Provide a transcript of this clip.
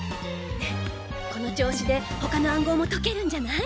この調子で他の暗号も解けるんじゃない？